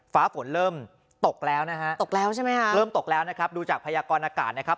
ฟ้าฝนเริ่มตกแล้วนะฮะเริ่มตกแล้วนะครับดูจากพยากรณ์อากาศนะครับ